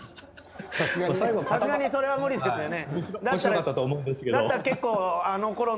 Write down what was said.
さすがにそれは無理ですよね。